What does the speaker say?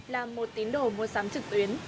là một tín đồ mua sắm trực tuyến